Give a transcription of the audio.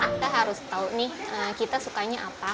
kita harus tahu nih kita sukanya apa